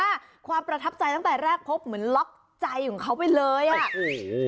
ว่าความประทับใจตั้งแต่แรกพบเหมือนล็อกใจของเขาไปเลยอ่ะโอ้โห